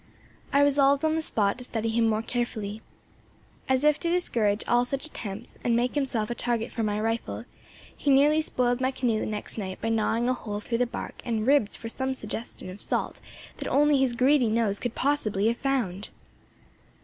I resolved on the spot to study him more carefully. As if to discourage all such attempts and make himself a target for my rifle, he nearly spoiled my canoe the next night by gnawing a hole through the bark and ribs for some suggestion of salt that only his greedy nose could possibly have found.